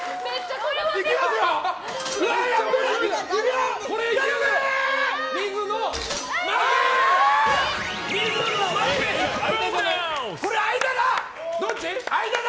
これ間だ！